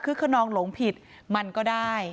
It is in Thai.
คนนองหลงผิดมันก็ได้